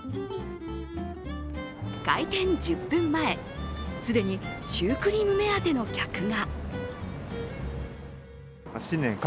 開店１０分前、既にシュークリーム目当ての客が。